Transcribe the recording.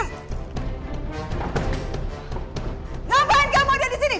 ngapain kamu ada di sini